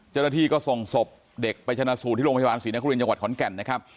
เจ้าหน้าที่ก็ส่งศพเด็กไปชนะสูตรที่โรงพยาบาลศรีนครินจังหวัดขอนแก่นนะครับ